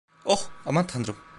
Oh, aman Tanrım.